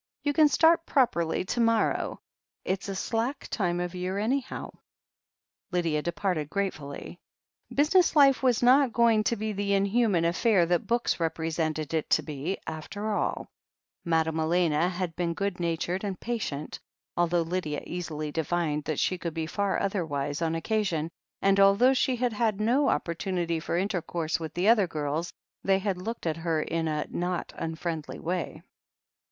You can start properly to morrow. It's a slack time of year, anyhow." Lydia departed gratefully. Business life was not going to be the inhuman affair that books represented it to be, after all ; Madame Elena had been good natured and patient, although Lydia easily divined that she could be far otherwise on occa sion, and although she had had no opportunity for intercourse with the other girls, they had looked at her in a not unfriendly way.